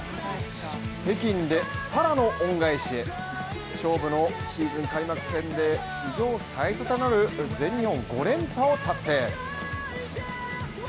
北京で沙羅の恩返しへ勝負のシーズン開幕戦で史上最多となる全日本５連覇を達成。